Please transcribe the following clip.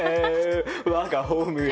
我がホームへ。